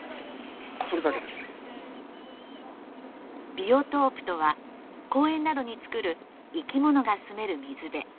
ビオトープとは公園などに造る「生き物」が住める水辺。